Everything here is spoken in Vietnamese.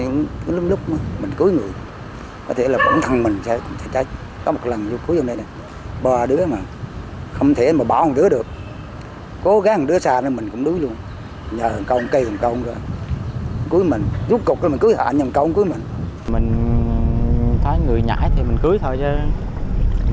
nước cột của mình cứ để anh đằm công đức mình mình thấy người ngãi thì mình cưới thôi cho